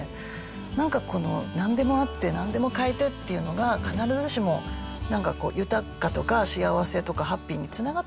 なんかこのなんでもあってなんでも買えてっていうのが必ずしもなんかこう豊かとか幸せとかハッピーに繋がってない。